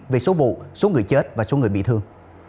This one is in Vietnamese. về số vụ số người chết và số người bị thương